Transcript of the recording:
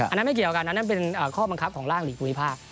อันนั้นไม่เกี่ยวกันอันนั้นเป็นข้อบังคับของร่างหลีกภูมิภาค